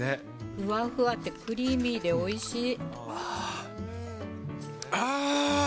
ふわふわでクリーミーでおいあー！